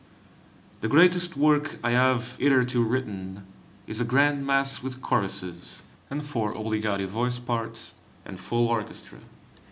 The greatest work I have hitherto written is a Grand Mass with Choruses, and four obbligati voice parts, and full orchestra.